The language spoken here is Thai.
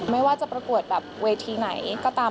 ไม่ว่าจะประกวดแบบเวทีไหนก็ตาม